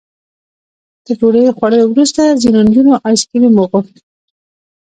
تر ډوډۍ خوړلو وروسته ځینو نجونو ایس کریم وغوښت.